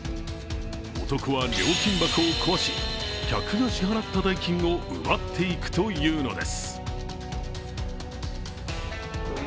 男は料金箱を壊し、客が支払った代金を奪っていくというのです。